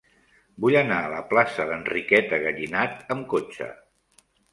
Vull anar a la plaça d'Enriqueta Gallinat amb cotxe.